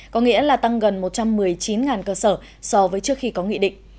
có nghĩa là tăng gần một trăm một mươi chín cơ sở so với trước khi có nghị định